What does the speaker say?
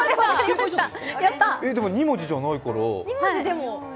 え、でも２文字じゃないから。